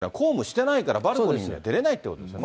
だからバルコニーに出るというのは公務してないから、バルコニーには出れないということですよね。